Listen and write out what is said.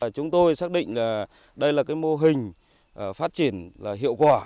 chúng tôi xác định đây là mô hình phát triển hiệu quả